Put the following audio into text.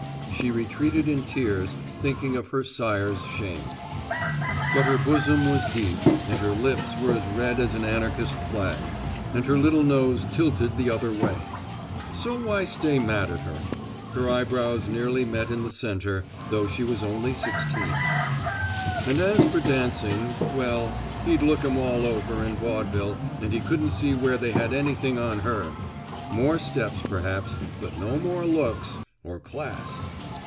She retreated in tears, thinking of her sire's shame. But her bosom was deep and her lips were as red as an anarchist flag, and her little nose tilted the other way. So why stay mad with her? Her eyebrows nearly met in the center, though she was only sixteen. And as for dancing well, he'd looked 'em all over in vaudeville and he couldn't see where they had anything on her. More steps perhaps, but no more looks or class.